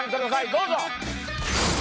どうぞ！